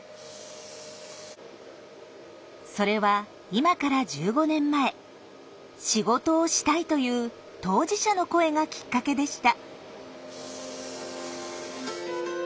それは今から１５年前「仕事をしたい」という当事者の声がきっかけでした。